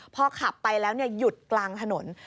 พอขับไปแล้วหยุดกลางถนน